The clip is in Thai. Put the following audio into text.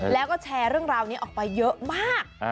แล้วก็แชร์เรื่องราวนี้ออกไปเยอะมาก